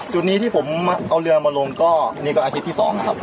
จุดนี้ที่ผมเอาเรือมาลงก็นี่ก็อาทิตย์ที่๒นะครับ